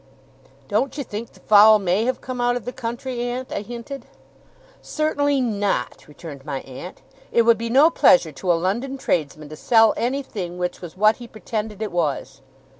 'Don't you think the fowl may have come out of the country, aunt?' I hinted. 'Certainly not,' returned my aunt. 'It would be no pleasure to a London tradesman to sell anything which was what he pretended it was.